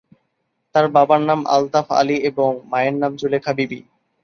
তার বাবার নাম আলতাফ আলী এবং মায়ের নাম জুলেখা বিবি।